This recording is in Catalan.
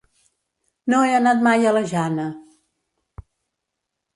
No he anat mai a la Jana.